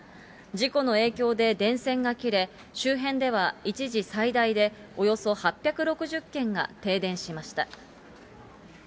事故の影響で電線が切れ、周辺では一時、最大でおよそ８６０軒が停電しました。